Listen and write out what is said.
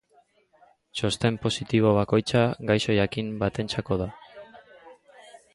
Txosten positibo bakoitza gaixo jakin batentzako da.